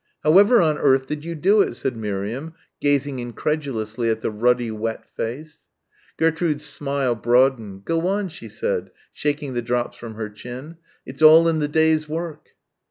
"However on earth did you do it?" said Miriam, gazing incredulously at the ruddy wet face. Gertrude's smile broadened. "Go on," she said, shaking the drops from her chin, "it's all in the day's work."